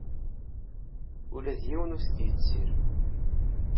Ula d yiwen ur t-id-yettir.